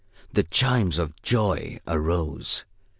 The chimes of joy arose.